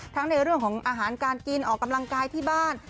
ในเรื่องของอาหารการกินออกกำลังกายที่บ้าน